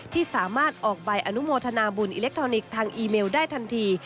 ที่สามารถออกใบอนุโมทนาบุญอิเล็กทรอนิกส์ทางอีเมลได้ทันที